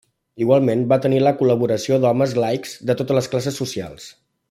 Igualment, va tenir la col·laboració d'homes laics de totes les classes socials.